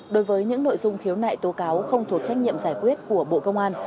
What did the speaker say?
đối với những nội dung khiếu nại tố cáo không thuộc trách nhiệm giải quyết của bộ công an